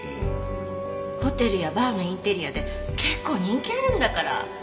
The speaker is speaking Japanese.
ホテルやバーのインテリアで結構人気あるんだから。